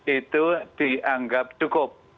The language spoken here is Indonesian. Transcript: itu dianggap cukup